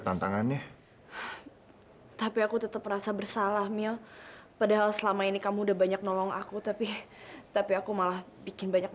sampai jumpa di video selanjutnya